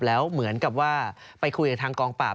แล้วเหมือนกับว่าไปคุยกับทางกองปราบ